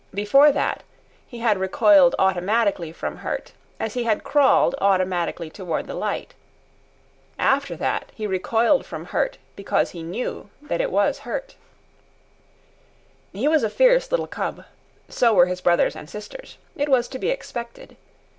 Before that he had recoiled automatically from hurt, as he had crawled automatically toward the light. After that he recoiled from hurt because he knew that it was hurt. He was a fierce little cub. So were his brothers and sisters. It was to be expected.